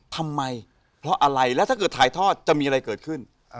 ทำไมเพราะอะไรแล้วถ้าเกิดถ่ายทอดจะมีอะไรเกิดขึ้น